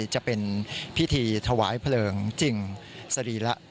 จะเป็นพิธีถวายเพลิงจริงสรีระ